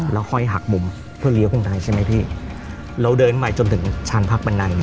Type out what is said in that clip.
แล้วค่อยหักมุมเพื่อเลี้ยวขึ้นไปใช่ไหมพี่เราเดินใหม่จนถึงชานพักบันได